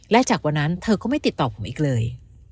และจากวันนั้นเธอก็ไม่ติดต่อผมอีกเลย